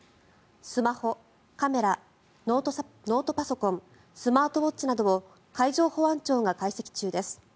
スマホ、カメラ、ノートパソコンスマートウォッチなどを海上保安庁が解析中です。